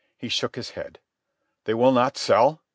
He shook his head. "They will not sell?"